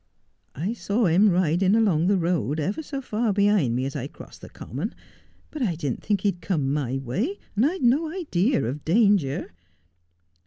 I saw him riding along the road ever so far behind me as I crossed the common ; but I didn't think he'd come my way, and I had no idea of danger.